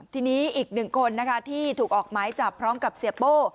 ทีนี้อีกหนึ่งคนนะคะที่ถูกออกหมายจับพร้อมกับเสียโป้